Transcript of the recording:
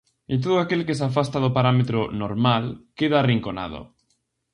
E todo aquel que se afasta do parámetro "normal" queda arrinconado.